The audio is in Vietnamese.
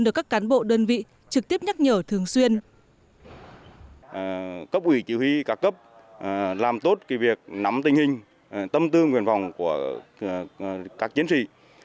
cấp ủy chỉ huy các cấp làm tốt việc nắm tình hình tâm tư nguyện vọng của các chiến sĩ